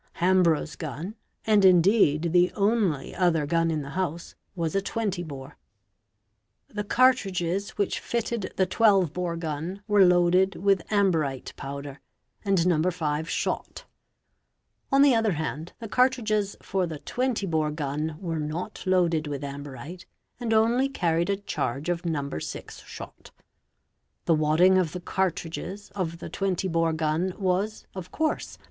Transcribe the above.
Hambrough's gun, and indeed the only other gu in the house, was a 20 bore. The cartridges which fitted the 12 bore gun were loaded with amberite powder and No. 5 shot (see p. 414) On the other hand, the cartridges for the 20 bore gun were no loaded with amberite, and only carried a charge of No. 6 shot. Th wadding of the cartridges of the 20 bore gun was, of course, muc.